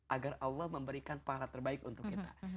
agar allah memberikan pahala terbaik untuk kita